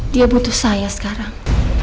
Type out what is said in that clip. dia butuh saya sekarang